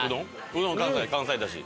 うどん関西関西出汁。